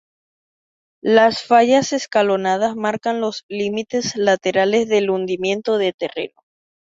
Las fallas escalonadas marcan los límites laterales del hundimiento del terreno.